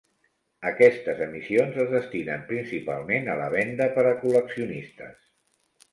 Aquestes emissions es destinen principalment a la venda per a col·leccionistes.